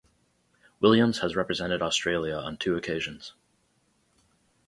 Williams has represented Australia on two occasions.